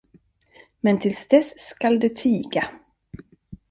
Men till dess skall du tiga.